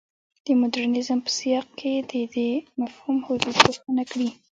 د مډرنیزم په سیاق کې د دې مفهوم حدود روښانه کړي.